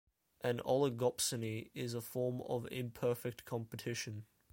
An oligopsony is a form of imperfect competition.